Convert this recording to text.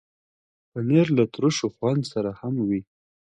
پنېر له ترشو خوند سره هم وي.